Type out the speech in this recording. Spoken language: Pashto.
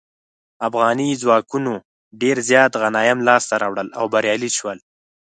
افغاني ځواکونو ډیر زیات غنایم لاسته راوړل او بریالي شول.